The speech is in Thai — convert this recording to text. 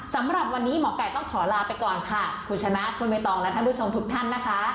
สำหรับวันนี้หมอไก่ต้องขอลาไปก่อนค่ะคุณชนะคุณใบตองและท่านผู้ชมทุกท่านนะคะ